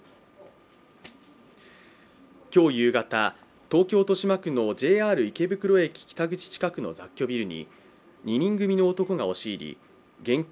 今日夕方、東京・豊島区のＪＲ池袋駅北口近くの雑居ビルに２人組の男が押し入り現金